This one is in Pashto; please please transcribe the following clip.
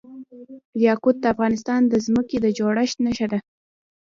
یاقوت د افغانستان د ځمکې د جوړښت نښه ده.